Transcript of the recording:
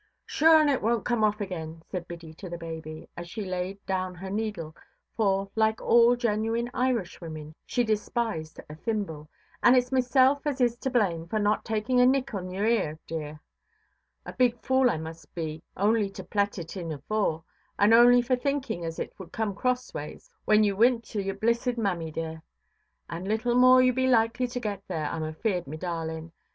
"Sure an' it wonʼt come off again", said Biddy to the baby, as she laid down her needle, for, like all genuine Irishwomen, she despised a thimble; "and itʼs meself as is to blame, for not taking a nick on your ear, dear. A big fool I must be only to plait it in afore, and only for thinkin' as it wud come crossways, when you wint to your blissed mammy, dear. And little more you be likely to get there, Iʼm afeared, me darlinʼ.